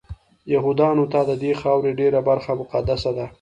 یهودانو ته ددې خاورې ډېره برخه مقدسه ده.